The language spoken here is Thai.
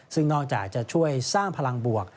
ซึ่งนอกจากจะช่วยสร้างพลังบวก